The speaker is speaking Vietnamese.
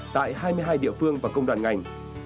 tại hai mươi hai địa phương và công đoàn ngành